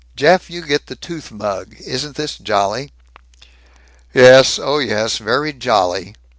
Jeff, you get the tooth mug. Isn't this jolly!" "Yes. Oh yes. Very jolly!"